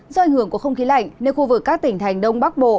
do ảnh hưởng của không khí lạnh nên khu vực các tỉnh thành đông bắc bộ